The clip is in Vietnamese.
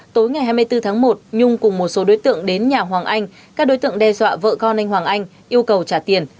tối ngày hai mươi bốn tháng một nhung cùng một số đối tượng đến nhà hoàng anh các đối tượng đe dọa vợ con anh hoàng anh yêu cầu trả tiền